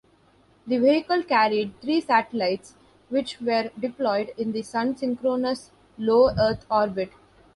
The vehicle carried three satellites which were deployed in the Sun-synchronous Low Earth orbit.